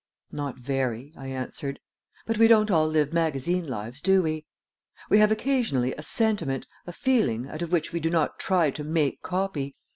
"Not very," I answered, "but we don't all live magazine lives, do we? We have occasionally a sentiment, a feeling, out of which we do not try 'to make copy.'